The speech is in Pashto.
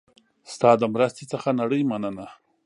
ستا د مرستې څخه نړۍ مننه